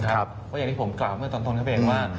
ครับก็อย่างที่ผมกล่าวเมื่อตอนนั้นครับเองว่า